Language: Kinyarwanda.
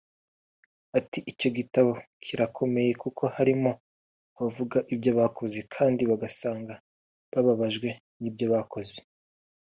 Ati “Icyo gitabo kirakomeye kuko harimo abavuga ibyo bakoze kandi ugasanga babajwe n’ibyo bakoze